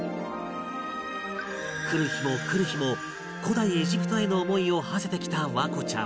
来る日も来る日も古代エジプトへの思いをはせてきた環子ちゃん